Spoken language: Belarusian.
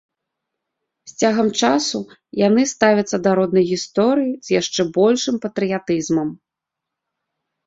З цягам часу яны ставяцца да роднай гісторыі з яшчэ большым патрыятызмам.